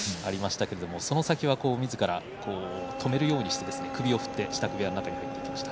その先はみずから止めるようにして首を振って支度部屋に入っていきました。